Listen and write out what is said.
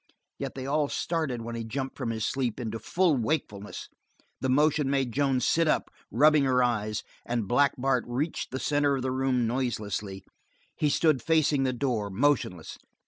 Yet they all started when he jumped from his sleep into full wakefulness; the motion made Joan sit up, rubbing her eyes, and Black Bart reached the center of the room noiselessly. He stood facing the door, motionless.